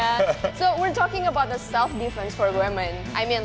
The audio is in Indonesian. jadi kita sedang berbicara tentang self defense untuk perempuan